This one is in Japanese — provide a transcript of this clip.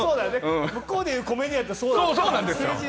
向こうで言うコメディアンってそうだもんね。